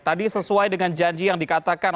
tadi sesuai dengan janji yang dikatakan